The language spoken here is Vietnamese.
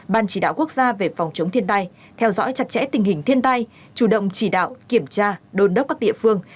ban chỉ đạo quốc gia về phòng chống thiên tai theo dõi chặt chẽ tình hình thiên tai chủ động chỉ đạo kiểm tra đôn đốc các địa phương